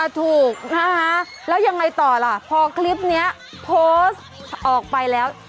ถูกนะคะแล้วยังไงต่อล่ะพอคลิปนี้โพสต์ออกไปแล้ว